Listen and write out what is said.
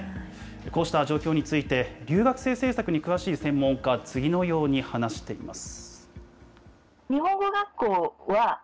こうした状況について、留学生政策に詳しい専門家は次のように話しています。